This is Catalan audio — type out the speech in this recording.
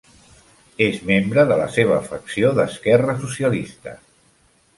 És membre de la seva facció d'esquerra socialista.